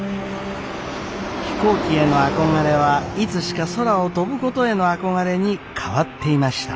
飛行機への憧れはいつしか空を飛ぶことへの憧れに変わっていました。